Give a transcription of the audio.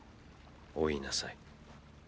追いなさい。